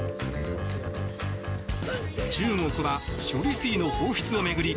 中国は処理水の放出を巡り